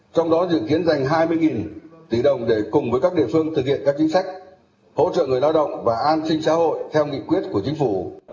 trong đó dự kiến dành hai mươi tỷ đồng để cùng với các địa phương thực hiện các chính sách hỗ trợ người lao động và an sinh xã hội theo nghị quyết của chính phủ